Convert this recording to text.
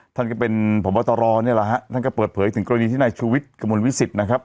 ท่านก็เป็นพบตรนี่แหละฮะท่านก็เปิดเผยถึงกรณีที่นายชูวิทย์กระมวลวิสิตนะครับ